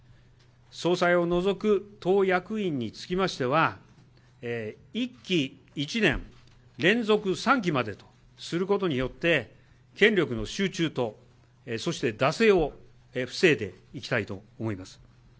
総裁を除く党役員につきましては、１期１年、連続３期までとすることによって、権力の集中と、そして惰性を防いでいきたいと思います。